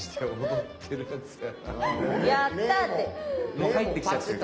もう入ってきちゃってる。